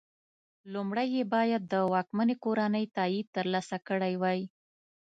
لومړی یې باید د واکمنې کورنۍ تایید ترلاسه کړی وای.